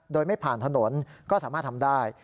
โดยไม่ผ่านถนนก็สามารถทำได้